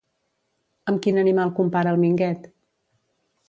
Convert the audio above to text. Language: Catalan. Amb quin animal compara al Minguet?